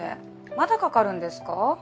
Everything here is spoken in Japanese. まだかかるんですか？